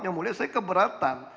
yang mulia saya keberatan